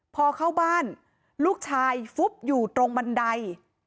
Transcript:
พอเข้าบ้านลูกชายฟุบอยู่ตรงบันได